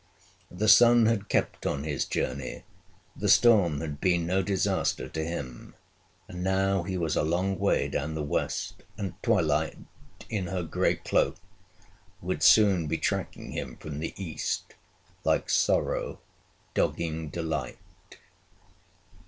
The sun had kept on his journey; the storm had been no disaster to him; and now he was a long way down the west, and Twilight, in her grey cloak, would soon be tracking him from the east, like sorrow dogging delight.